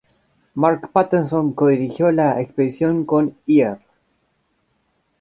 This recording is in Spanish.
Mark Patterson co-dirigió la expedición con Earle.